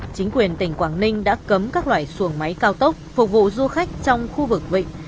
chính quyền tỉnh quảng ninh đã cấm các loại xuồng máy cao tốc phục vụ du khách trong khu vực vịnh